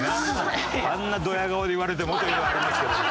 あんなドヤ顔で言われてもというのはありますけども。